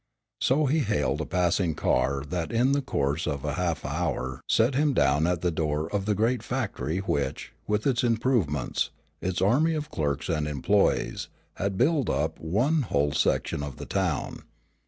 So he hailed a passing car that in the course of a half hour set him down at the door of the great factory which, with its improvements, its army of clerks and employees, had built up one whole section of the town.